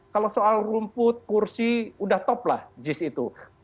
kalau soal rumput kursi udah top lah jis itu